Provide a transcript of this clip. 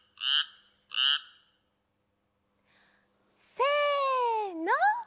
せの。